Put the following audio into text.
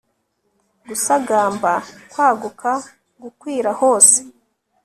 gusagamba kwaguka, gukwira hose